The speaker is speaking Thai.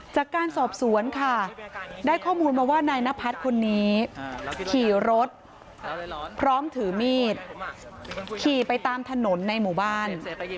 จากการสอบสวนค่ะได้ข้อมูลมาว่านายนพัฒน์คนนี้ขี่รถพร้อมถือมีดขี่ไปตามถนนในหมู่บ้าน